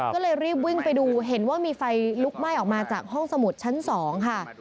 ก็เลยรีบวิ่งไปดูเห็นว่ามีไฟลุกไหม้ออกมาจากห้องสมุดชั้น๒ค่ะ